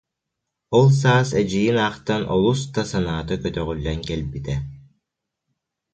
Ол саас эдьиийин аахтан олус да санаата көтөҕүллэн кэлбитэ